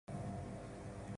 No audio.